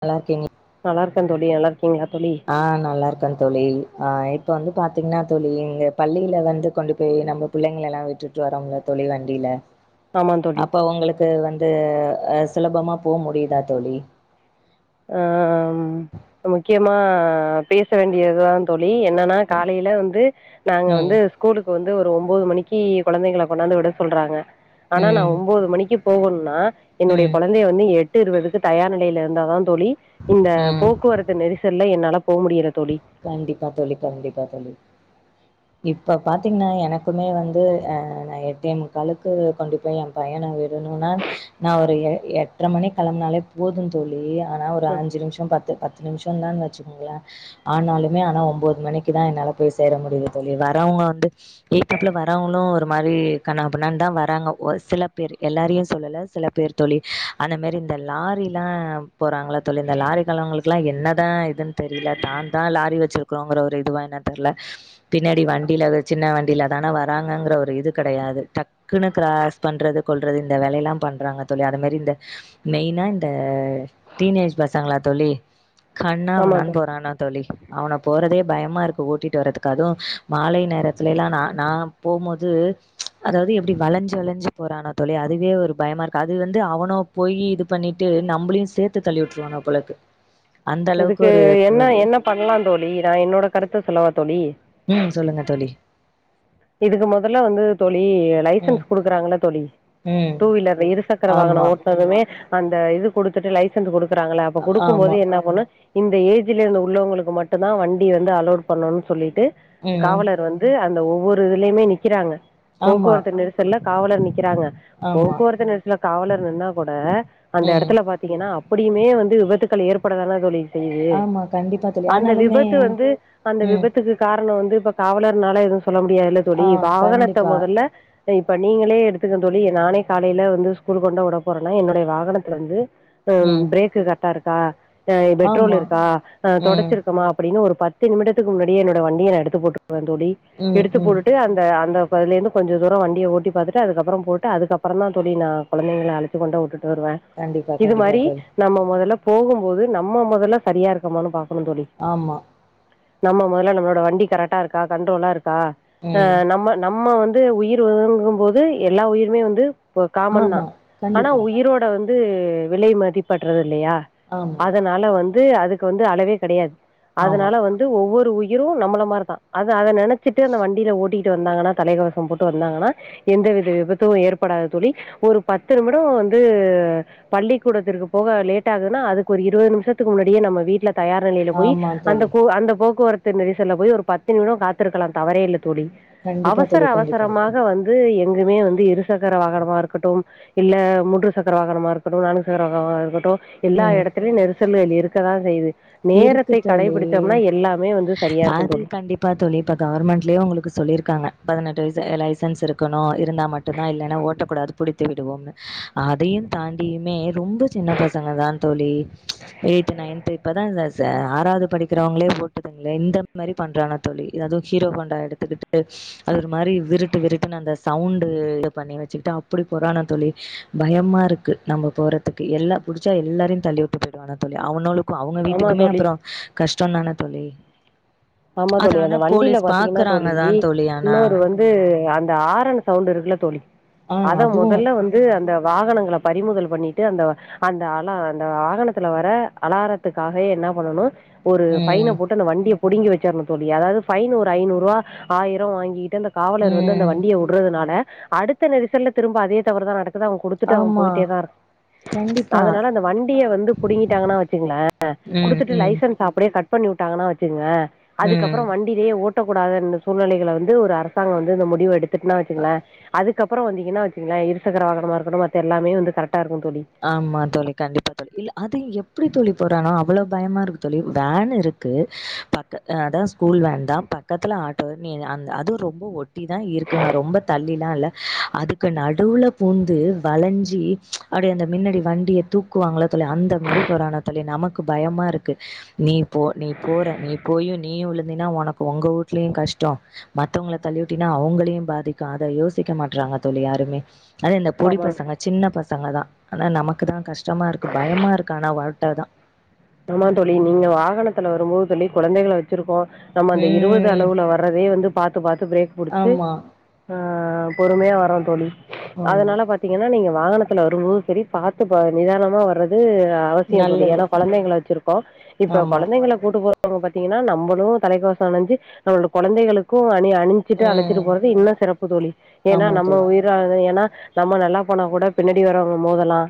நல்லாருக்கிங் நல்லாருக்க தோழி நல்லாருக்கீங்ளா தோழி ஆ நல்லாருக்க தோழி ஆ இப்ப வந்து பாத்தீங்கனா தோழி இங்க பள்ளில வந்து கொண்டு போய் நம்ப பிள்ளைங்களலா விட்டுட்டு வரோம்ல தோழி வண்டில ஆமா தோழி அப்ப உங்களுக்கு வந்து அ சுலபமா போ முடியுதா தோழி ஆ முக்கியமா பேச வேண்டியதுதா தோழி என்னன்னா காலைல வந்து நாங்க ம் வந்து ஸ்கூலுக்கு வந்து ஒரு ஒம்போது மணிக்கு குழந்தைங்கள கொண்டாந்து உட சொல்றாங்க ஆனா நா ம் ஒம்போது மணிக்கு போகணுனா என்னுடைய ம் குழந்தைய வந்து எட்டு இருவதுக்கு தயார் நிலைல இருந்தாதா தோழி இந்த ம் போக்குவரத்து நெரிசல்ல என்னால போ முடியல தோழி கண்டிப்பா தோழி கண்டிப்பா தோழி இப்போ பாத்தீங்னா எனக்குமே வந்து அ நா எட்டே முக்காளுக்கு கொண்டுப்போய் அ பையன விடுணுனா நா ஒரு எ எட்ர மணிக் களம்பனாலே போது தோழி ஆனா ஒரு அஞ்சு நிம்ஷோ பத்து பத்து நிம்ஷோதான் வெச்சுக்கோங்ள ஆனாலுமே ஆனா ஒம்போது மணிக்குதா என்னால போய் சேர முடியுது தோழி வரவங்க வந்து எய்தாப்ல வரவுங்ளு ஒருமாரி கன்னாபின்னான் தா வராங்க ஒருசில பேரு எல்லாரையு சொல்லல சில பேரு தோழி அந்த மாரி இந்த லாரிலா போறாங்கள தோழி இந்த லாரி காலவங்களுக்குல்லா என்னதா இதுன் தெரில தான்தா லாரி வெச்சிருக்கறோங்கற ஒரு இதுவா என்னன் தெர்ல பின்னாடி வண்டில அது சின்ன வண்டிலதான வராங்கங்கற ஒரு இது கடையாது டக் குணு க்ராஸ் பண்றது கொல்றது இந்த வேலையல்லா பண்றாங்க தோழி அதுமாரி இந்த மெய்னா இந்த டீனேஜ் பசங்களா தோழி ஆமா கண்ணாப்பினான் தோழி போறானுங் தோழி அவன போறதே பயமா இருக்கு ஓட்டிட்டு வர்றதுக்கு அதுவு மாலை நேரத்துலல்லா நா நா போம்மோது அதாவது எப்டி வளஞ்சி வளஞ்சி போறானா தோழி அதுவே ஒரு பயமா இருக்கு அது வந்து அவனோ போய் இது பண்ணிட்டு நம்பலயு சேத்து தள்ளிவிட்டுருவானோ போல இருக்கு அந்தளவுக்கு இதுக்கு ஒரு போ என்ன என்ன பண்ணலா தோழி நா என்னோட கருத்த சொல்லவா தோழி ம் சொல்லுங்க தோழி இதுக்கு மொதல்ல வந்து தோழி ம். லைசன்ஸ் குடுக்குறாங்கல்ல தோழி ம். டூ வீலர் இருசக்கர வாகனோ ஆமா. ஓட்னதுமே அந்த இது குடுத்துட்டு லைசன்ஸ் குடுக்குறாங்கல்ல அப்ப குடுக்கும் ஆமா. போதே என்ன பண்ணணு இந்த ஏஜ்ல இருந்து உள்ளவங்களுக்கு மட்டுந்தா வண்டி வந்து அலோட் பண்ணனுன்னு சொல்லிட்டு ம். காவலர் வந் து அந்த ஒவ்வொரு இதுலயுமே நிக்கிறாங்க ஆமா. போக்குவரத்து நெரிசல்ல காவலர் நிக்கிறாங்க ஆமா. போக்குவரத்து நெரிசல்ல காவலர் நின்னா கூட அந்த ம். இடத்துல பாத் தீங்கன்னா அப்டியுமே வந்து விபத்துக்கள் ஏற்படதானா தோழி செய்யுது ஆமா. கண்டிப்பா தோழி. அந்த ஆனாலுமே விபத்து வந்து அந்த ம். விபத்துக்கு காரணோ வந்து இப்ப காவலர்னால எதுவு சொல்ல முடியாதுல்ல ஆ தோழி வாகனத்த கண்டிப்பா. மொதல்ல இப்ப நீங்களே எடுத்துங்க தோழி நானே காலேல வந்து ஸ்கூல்க்கு கொண்டு விட போறேன்னா என்னுடைய வாகனத்துல வந்து ஆ ம். பிரேக்கு கரெட்டா இருக்கா ஆ பெட்ரோல் ஆமா. இருக்கா ஆ ம். தொடச்சிருக்கமா அப்டின்னு ஒரு பத் து நிமிடத்துக்கு முன்னாடியே என்னோட வண்டிய நா எடுத்து போட்டுக்குவே தோழி ம், எடுத்து ம். போட்டுட்டு அந்த அந்த இப்ப அதுல இருந்து கொஞ்ச தூரோ வண்டிய ஓட்டி பாத்துட்டு அதுக்கப்பறோ போட்டு அதுக்கப்பறந்தா தோழி நா கொழந்தைங்கள அழச்சி கொண்டே உட்டுட்டு வருவே கண்டிப்பா, இது கண்டிப்பா மாரி தோழி. நம்ம மொதல்ல போகும்போது நம்ம மொதல்ல சரியா இருக்கமான்னு பாக்கணு தோழி ஆமா நம்ம மொதல்ல நம்மளோட வண்டி கரெக்டா இருக்கா கண்ட்ரோலா இருக்கா ஆ ம். நம்ம நம்ம வந்து உயிர் வேணுங்கும் போது எல்லா உயிருமே வந்து கா காமன் தா ஆமா. ஆனா கண்டிப்பா. உயிரோட வந் து விலை மதிப்பற்றது இல்லையா ஆமா, அதனால வந்து அதுக்கு வந்து அளவே கெடையாது ஆமா, அதனால வந்து ஒவ்வொரு உயிரு நம்மள மாரி தா அது அத நெனச் ச்சிட்டு அந்த வண்டில ஓட்டிகிட்டு வந்தாங்கன்னா தலைக்கவசோ போட்டு வந்தாங்கன்னா எந்தவித விபத்து ஏற்படாது தோழி ஒரு பத்து நிமிடோ வந்து பள்ளிக்கூடத்திற்க்கு போவ லேட்டாகுதுன்னா அதுக்கு ஒரு இருவது நிமிஷத்துக்கு முன்னாடியே நம்ம வீட்ல தயார் நிலையில போய் ஆமா அந்த தோழி. கூ அந்த போக்குவரத்து நெரிசல்ல போய் ஒரு பத்து நிமிடோ காத்து இருக்கலா தவறே இல்ல தோழி கண்டிப்பா அவசர தோழி, கண்டிப்பா. அவசரமாக வந் து எங்குமே வந்து இருசக்கர வாகனமா இருக்கட்டும் இல்ல மூன்று சக்கர வாகனமா இருக்கட்டு நான்கு சக்கர வாகனமா இருக்கட்டு எல்லா ம். எடத்துலயு நெரிசல்கள் இருக்கதா செய்து இருக்கு நேரத்தை தோழி. கடைபிடிச்சோம்னா எல்லாமே வந்து சரியா இருக்கு அது தோழி கண்டிப்பா தோழி இப்ப கவர்மெண்ட்லயே உங்களுக்கு சொல்லிருக்காங்க பதினெட்டு வயசு லைசன்ஸ் இருக்கணு இருந்தா மட் டுந்தா இல்லன்னா ஓட்டக்கூடாது புடித்து விடுவோம்னு அதயு தாண்டியுமே ரொம்ப சின்ன பசங்க தான் தோழி எய்த் நயன்த் இப்பதா இந்த செ ஆறாவது படிக்கிறவங்களே ஓட்டுதுங்ளே இந்த மாரி பண்றாங்க தோழி எதாது ஹீரோ ஹோண்டா எடுத் து கிட்டு அது ஒரு மாரி விருட்டு விருட்டுன்னு அந்த சவுண்டு இத பண்ணி வச்சிக்கிட்டு அப்டி போறானுக தோழி பயமா இருக்கு நம்ம போறதுக்கு எல்லா புடிச்சா எல்லாரயு தள்ளி விட்டு போயிடுவானுக தோழி அவனோளுக் அவுங்க ஆமா வீட்டுக்குமே தோழி அப்பறோ கஷ்டந்தான தோழி ஆமா அது தோழி ஆனா அந்த வண்டில போலீஸ் பாத்தீங்கன்னா பாக்குறாங்க தோழி தான் தோழி ஆனா இன்னொரு வந் து அந்த ஆரன் சவுண்ட் இருக்குல்ல தோழி ஆ அத அதுவு மொதல்ல வந் து அந்த வாகனங்கள பறிமுதல் பண்ணிட்டு அந்த அந்த அல அந்த வாகனத்துல வர அலாரத்துக்காக என்ன பண்ணணு ஒரு ஃபைன ம் போட்டு அந்த வண்டிய புடுங்கி வச்சிருன்னு தோழி அதாவது ஃபைனா ஒரு ஐநூறுவா ஆயிரோ வாங்கிட்டு அந்த காவலர் வந்து அந்த ம் வண்டிய உடுறதுனால அடுத்த நெரிசல்ல திரும்ப அதே தவறு தா நடக்குது அவ்ங் குடுத்துட்டு அவ ஆமா போயிட்டே தா இருப் கண்டிப்பா அதனால அந்த வண்டிய வந்து புடுங்கிட்டாங்கனு வச்சுங்ளே ம் குடுத்துட்டு ம் லைசன்ஸ் அப்டியே கட் பண்ணி விட்டாங்கன்னா வச்சுங்க அதுக்கு ம் அப்புற வண் டியே ஓட்டக்கூடாத இந்த சூழ்நிலைகள வந்து ஒரு அரசாங்க வந்து இந்த முடிவு எடுத்துட்டுன்னா வச்சுங்களே அதுக்கப்புற வந்தீங்கன்னா வச்சுங்களா இருசக்கர வாகனமாக இருக்கட்டு மத்த எல்லாமே வந்து கரெக்டா இருக்கு தோழி ஆமா தோழி கண்டிப்பா தோழி இல்ல அது எப்டி தோழி போறானோ அவ்ளோ பயமா இருக்கு தோழி வேன் இருக் கு பக்க அது ஸ்கூல் வேன்தா பக்கத்துல ஆட்டோ நீ அந் அதுவு ரொம்ப ஒட் ட்டி தா இருக்குங்க ரொம்ப தள்ளில்லா இல்ல அதுக்கு நடுவுல பூந்து வளஞ்சி அப்டியே அந்த மின்னடி வண்டிய தூக்குவாங்கள்ள தோழி அந்த மாரி போரானுக தோழி நமக்கு பயமா இருக்கு நீ போ நீ போற நீ போயு நீயு உழுந்தீனா ஒனக்கு ஒங்க வீட்லயு கஷ்டோ மத்தவங்கள தள்ளி உட்டின்னா அவங்களையு பாதிக்கு அத யோசிக்க மாட்டறாங்க தோழி யாருமே அது இந்த பொடி ஆமாம் பசங்க சின்ன ப சங்க தா ஆனா நமக்கு தா கஷ்டமா இருக்கு பயமா இருக்கு ஆனா வாழ்த்ததா ஆமா தோழி நீங்க வாகனத்துல வரும்போது தோழி கொழந்தைகள வச்சிருக்கோ நம்ம அந்த இருவது ம். அளவுல வர்றதே வந்து பாத்து பாத்து பிரேக் புடிச்சு ஆமா. ஆ பொறுமையா வற்ர தோழி ஆமா. அதனால பாத் திங்கன்னா நீங்க வாகனத்துல வரும்போது செரி பாத்து கவன நிதானமா வர்றது அவசியோ தோழி நல்லது. ஏன்னா கொழந்தைங்க கள வச்சிருக்கோ இப்ப ஆமா. கொழந்தைங்கள கூட்டு போற ங்க பாத்தீங்கன்னா நம்மளு தலைக்கவசோ அணிஞ்சு நம்மளோட கொழந்தைகளுக்கு அணி அணிஞ் சிட்டு அழச்சிட்டு ம். போறது இன்னு சிறப்பு தோழி ஏன்னா ஆமா நம்ம தோழி. உயிர் றாது ஏன்னா நம்ம நல்லா போனா கூட பின்னடி வரவங்க மோதலா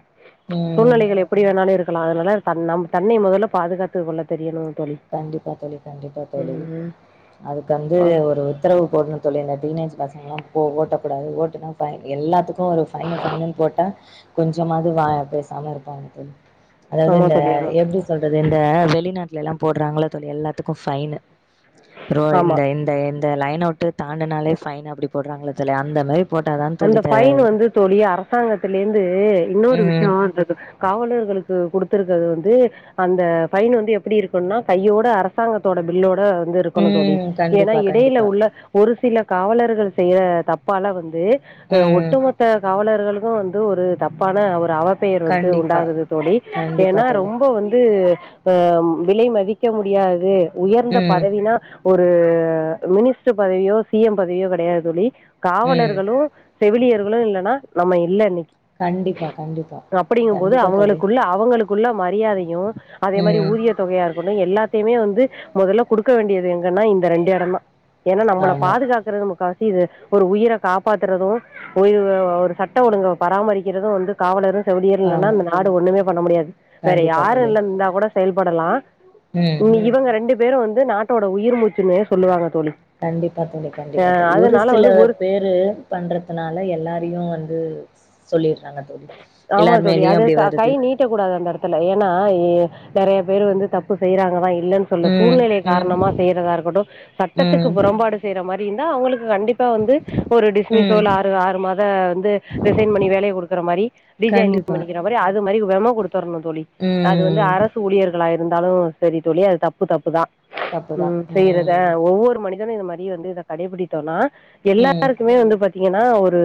ம். சூழ்நிலைகள் எப் எப்டி வேணாலு இருக்கலா அதனால தன் நம் தன்னை மொதல்ல பாதுகாத்து கொள்ள தெரியணு தோழி கண்டிப்பா தோழி கண்டிப்பா தோழி ம் அதுக்கு வந்து ஆ ஒரு உத்தரவு போடனு தோழி இந்த டீனேஜ் பசங்கலா ஓட்டக்கூடாது ஓட்டுனா ஃபைன் எல்லாத்துக்கு இப்போ ஒரு பைனு பைனுனு போட்டா கொஞ்சமாது வா பேசாம இருப்பாங்க அதாவது ஆமா இந்த தோழி ஆமா எப்டி சொல்றது இந்த வெளிநாட்லெல்லா போடுறாங்கள்ள தோழி எல்லாத்துக்கு ஃபைனு ரோ இந்த ஆமா இந்த இந்த லைனவிட்டு தாண்டுனாலே ஃபைன் அப்டி போடுறாங்களதுல அந்த மாரி போட்டாதா தோழி அந்த த ஃபைன் வந்து தோழி அரசாங்கத்துலேந்து இன்னொரு விஷ்யோ ம் இந்த காவலர்களுக்கு குடுத்துருக்கிறது வந்து அந்த ஃபைன் வந்து எப்டி இருக்னுனா கையோட அரசாங்கத்தோட பில்லோட வந்து இருக்கணு தோழி ம் ஏனா கண்டிப்பா இடையில கண்டிப்பா உள்ள ஒரு சில காவலர்கள் செய்ற தப்பால வந்து அ ம் ஒட்டுமொத் த்த காவலர்களுகு வந்து ஒரு தப்பான ஒரு அவ பெயர் வந்து கண்டிப்பா உண்டாகுது தோழி கண்டிப்பா ஏனா தோழி ரொம்ப வந்து ஆ விலை மதிக்க முடியாது உயர்ந்த ம் பதவினா ஒரு மினிஸ்டர் பதவியோ சி எம் பதவியோ கெடயாது தோழி ம் காவலர்களு செவிலியர்களு இல்லனா நம்ம இல்ல இன்னக்கி கண்டிப்பா கண்டிப்பா அப்டிங்கும்போது கண்டிப்பா தோழி அவங்களுக்குள்ள அவங்களுக்கு குள்ள மரியாதயு அதே மாரி ம் ஊதிய தொகையா இருக்கட்டு எல்லாத்தையுமே வந்து மொதல்ல குடுக்க வேண்டியது எங்கன்னா இந்த ரெண்டு எடம் தா ஏனா நம்பள ஆமா பாதுகாக்றது முக்காசி இது ஒரு உயிர காப்பாத்து றது ஒரு ஒரு சட்ட ஒழுங்க பராமரிக்கிறது வந்து காவலரு செவிலியர் இல்லனா ஆமா இந்த நாடு ஒண்ணுமே பண்ண முடியாது வேற கண்டிப்பா யாரு தோழி இல்லன் இந்தா கூட செயல்படலா ம் நி இவங்க ரெண்டு பேரு வந்து நாட்டோட உயிர் மூச்சுன்னு சொல்லுவாங்க தோழி கண்டிப்பா தோழி கண்டிப்பா அஹ் தோழி ஒரு அதனால சில வந்து ஒரு பேரு பண்றத்துனால எல்லாரயு வந்து சொல்லிறாங்க தோழி எல்லார்மேலயு அப்டி வருது ட்ட கூடாது அந்த எடத்துல ஏனா ஏ நெறயா பேரு வந்து தப்பு செய்றாங்கதா இல்லன்ஸ் சில ம் சூழ்நிலை ம் காரணமா செய்யறதா இருக்கட்டு சட்டத்துக்கு ம் புறம்பாடு செய்ற மாரி இருந்தா அவங்களுக் கண்டிப் க வந்து ஒரு டிஸ்மிஸ்ஸோ ம் இல்ல ஆறு ஆறு மத வந்து ரிசைன் பண்ணி வேலய கொடு அரி டிஜாய்னிங் கண்டிப்பா. பண்ணிக்கிற மாரி அது மாரி வெமோ குடுத்துர்ணு தோழி அது வந்து ம். அரஸ் சூழியர்களா இருந்தாலு செரி தோழி அது தப்பு தப்பு தா தப்புதான். உம் செய்றத ம். ஒவ்வொரு மணி தன இது மரி வந்து இத கடைபிடித்தோனா ம். எல்லாருக்குமே வந்து பத் ஏனா ஒரு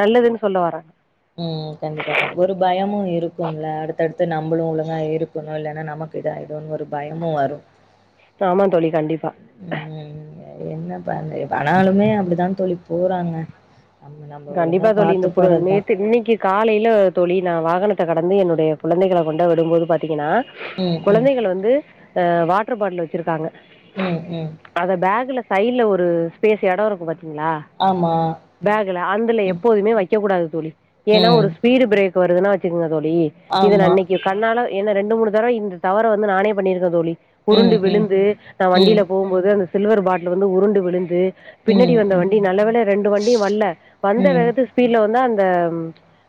நல்லதுன் சொல்லவரே உம் கண்டிப்பா கனி ஒரு பயமு இருக்கும்ல அடுத்தடுத்து நம்பமுடியாத ஒழுங்கா இரு ஒன்னு இல்லனா நமக்கு இதா இதோன்னு ஒரு பயமு வரு தாமான் தோழி கண்டிப்பா ம் ம் ய என்ன பண்று பனாலுமே அப்டிதான் தோழி போறாங்க நம்ம நம்ம ஒழுங்கா கண்டிப்பா தோழி இந்த பாத்து புலு போறதுதான். நேத்து இன்னிக்கி காலைல தோழி நா வாகனத்த கடந்து என்னுடைய புழந்தைகள கொண்ட விடும்போது பாத்திங்கன்னா ம். ம். குழந்தைகள் வந்து அ வாட்ர் பாட்லு வச்சிருக்காங்க ம் ம் அத பேக்ல சைல ஒரு ஸ்பேஸ் எடோ இருக்கு பாத்தீங்ளா ஆமா கில அந்துல ம். எப்போதுமே வைக்கக்கூடாது தோழி ஏனா ம். ஒரு ஸ்பீடு ப்ரேக் வருதுனா வச்சுக்குங்க தோழி இது நா ஆமா. இன்னைக்கு கண்ணால ஏனா ரெண்டு மூணு தடவ இந்த தவற வந்து நானே பண்ணிர்க்க தோழி புருண்டு ம். ம். விழுந்து நா வண்டில ம். போம்போது அந்த சில்வர் பாட்லு வந்து உருண்டு விழுந்து பின்னடி ம். வந்த ம். வண்டி நல்ல வேல ரெண்டு வண்டியு வல்ல வந்த ம். வேகத்து ஸ்பீட்ல வந்தா அந்தம்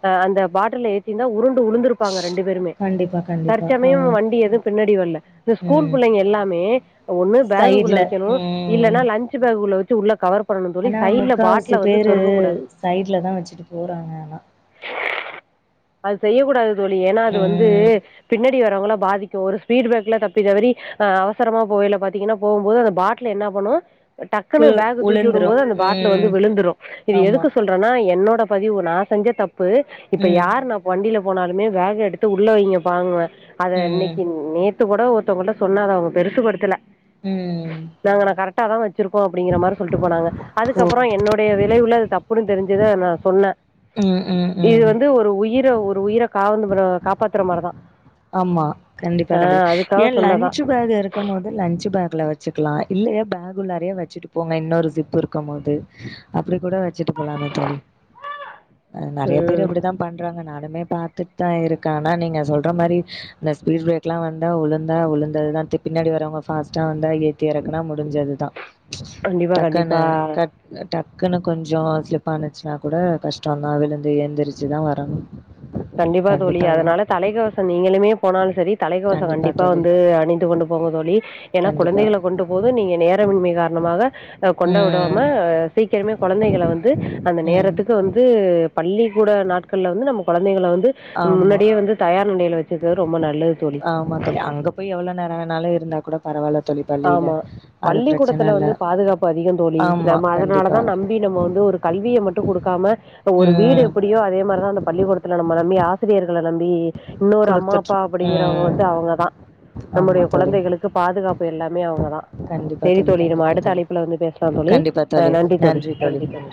அ அந்த பாட்டல்ல ஏத்திந்தா உருண்டு உளுந்துருப்பாங்க ரெண்டு பேருமே கண்டிப்பா கண்டிப்பா. ஆ. தற்சமயோ வண்டி எது பின்னாடி வல்ல து ஸ்கூல் ம். புள்ளைங்க எல்லாமே ஒன்னு பேகு குள்ள சைட்ல வெக்கணு ம் இல்லனா லஞ்சு பேகுக்குள்ள வச்சு உள்ள கவர் பொர்னு தோழி சைல்ல பாட்ல வந்து சொருக கூ உ சைட்ல தா வச்சுட்டு போறாங்க ஆனா அது செய்யக்கூடாது தோழி ஏன்னா அது வந்து ம் பின்னாடி வரவங்கள பாதிக்கு ஒரு ஃபீட்பேக்குல தப்பி தவறி அ அவசரமா போவையில பாத்தீங்கனா போம்போது அந்த பாட்ல என்ன பண்ணு கு டக்குனு பேக்கு உளுந்துரு தூக்கிடும்போது அந்த பாட்ல வந்து ம் விழுந்துரு இது ஆமா எதுக்கு சொல்றனா என்னோட பதிவு நா செஞ்ச தப்பு இப்ப ம் யார் நா வண்டில போனாலுமே பேக்க எடுத்து உள்ள வைங்க பாங்குவே அத ம் இன்னைக்கின் நேத் த்து கூட ஒருத்தவங்கிட்ட சொன்னாத அவு பெருசு படுத்தல ம் நாங்க ந கரக்டா தா வச்சிருக்கோ அப்படிங்குற மார் சொல்ட்டு போனாங்க ஓ அதுகப்புறோ என்னுடையதே விலைவுல தப்புனு தெரிஞ்சதே நா சொன்ன ம் ம் இது ம் வந்து ஒரு உயிர ஒரு உயிரக் காவந்துபுரோ காப்பாத்துற மாரதா ஆமா கண்டிப்பா கண்டிப் ஏன் சொன்னதா லன்ச்சு பேக் இர் க்கும் மோது லன்ச்சு பேக்ல வச்சுக்கலா இல்லையா பேகுல்லாரியே வச்சிட்டு போங்க இன்னொரு ஜிப் இருக்கும் போது அப்டி கூட வெச்சிட்டு போலாமே தோழி அ நெறையா பேர் ம் அப்டிதாம் பண்றாங்க நானுமே பாத்துட் தா இருக்கே ஆனா நீங்க சொல்ற மாரி இந்த ஸ்பீட் பிரேக்லா வந்தா உழுந்தா உழுந்ததுதா த்து பின்னாடி வரவங்க ஃபாஸ்ட்டா வந்தா ஏ த்தி எறக்குனா முடிஞ்சதுதா கண்டிப்பா கண்டிப்பா டக்குன்னு கட் அ டக்குன்னு கொஞ்சோ ஸ்லிப் ஆனுச்சுனா கூட கஷ்டந்தா அதுலந்து எந்திரிச்சுதா வரணு. கண்டிப்பா தோழி அதனால தலைக்கவசோ நீங்களுமே போனாலு சரி தலைக்கவசோ கண்டிப்பா வந்து அணிந்து கொண்டு போங்க தோழி. ஏனா கண்டிப்பா. குழந்தைகளை கொண்ட்டு போது நீங்க நேரமின்மை காரணமாக அ கொண்ட ம் விடாம சீக்கிரமே கொழந்தைகள வந்து அந்த ம் நேரத்துக்கு வந்து பள்ளிக்கூட நாட்கள்ல வந்து நம்ம கொழந்தைங்கள வந்து ஆமா முன்னாடியே வந்து தயார் நிலையில வெச்சுக்கது ரொம்ப நல்லது தோ ஆமா தோழி அங்க போய் எவ்ளோ நேரோ வேணாலு இருந்தா கூட பரவால்ல தோழி ஆமா பள்ளியில. அது பிரச்சன பள்ளிக்கூடத்துல இல்ல. வந்து பாதுகாப்பு அதிகந் தோழி ஆமா நம்ம அதனாலதா கண்டிப்பா. நம்பி நம்ம வந்து ஒரு கல்விய மட்டு குடுக்காம ஒரு வீடு ம் எப்பிடியோ அதே மார்தா அந்த பள்ளிக்கூடத்துல நம்ம நம்பி ஆசிரியர்கள நம்பி இன்னொரு அம்மா குடுத்துட்ரு அப்பா அப்டிங்கிறவங்க ம் வந்து அவுங்க தா. ஆமா நம்முடைய தோழி. குழந்தைகளுக்கு பாதுகா ப்பு எல்லாமே அவுங்க தா. கண்டிப்பா செரி தோழி நம்ம கண்டிப்பா அடுத்த தோழி. அழைப்புல வந்து பேசலா தோழி. அ நன்றி தோழி நன்றி தோழி.